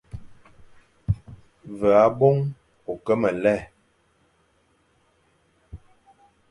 Ve aboñ ô ke me lè,